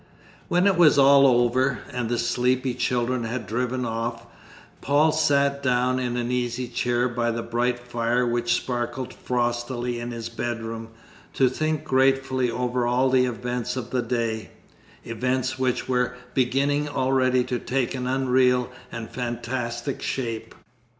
When it was all over, and the sleepy children had driven off, Paul sat down in an easy chair by the bright fire which sparkled frostily in his bedroom, to think gratefully over all the events of the day events which were beginning already to take an unreal and fantastic shape.